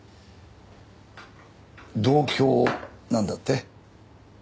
同郷なんだって？